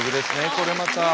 これまた。